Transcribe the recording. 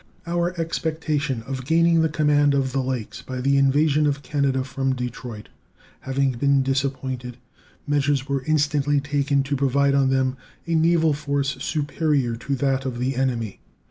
Our expectation of gaining the command of the Lakes by the invasion of Canada from Detroit having been disappointed, measures were instantly taken to provide on them a naval force superior to that of the enemy.